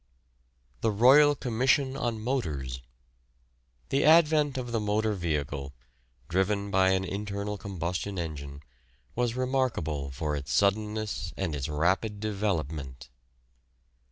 THE ROYAL COMMISSION ON MOTORS. The advent of the motor vehicle, driven by an internal combustion engine, was remarkable for its suddenness and its rapid development.